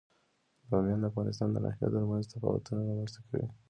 بامیان د افغانستان د ناحیو ترمنځ مهم تفاوتونه رامنځ ته کوي.